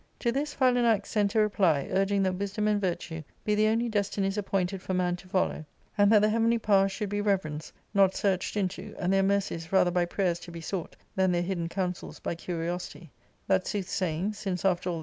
To this Philanax sent a reply, urging that Wisdcon and . Virtuebe the only destinies appointed for man to follow, an3^ that the heavenly powers should be reverenced, not searched into, and their mercies rather by prayers to be sought than their hidden counsels by curiosity ; that soothsayings, since after all the